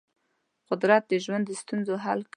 قدرت د ژوند د ستونزو حل کوي.